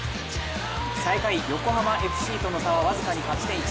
最下位、横浜ＦＣとの差は僅か勝ち点１。